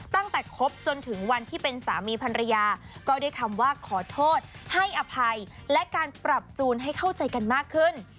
ตั้งแต่คบจนถึงวันที่เป็นสามีภรรยาก็ได้คำว่าขอโทษให้อภัยและการปรับจูนให้เข้าใจกันมากขึ้น